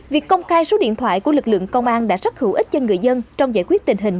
việc công khai số điện thoại của lực lượng công an đã rất hữu ích cho người dân trong giải quyết tình hình